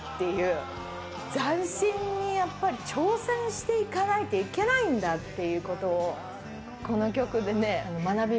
斬新に、やっぱり挑戦していかないといけないんだっていうことをこの曲でね、学びました。